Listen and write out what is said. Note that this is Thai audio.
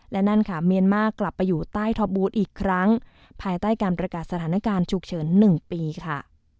และนั่นค่ะเมียนมาร์กลับไปอยู่ใต้ท็อปบูธอีกครั้งภายใต้การประกาศสถานการณ์ฉุกเฉิน๑ปีค่ะ